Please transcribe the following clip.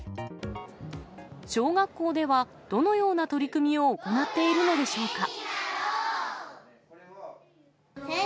小学校では、どのような取り組みを行っているのでしょうか。